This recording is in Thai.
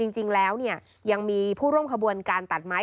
จริงแล้วยังมีผู้ร่วมขบวนการตัดไม้